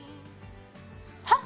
はっ？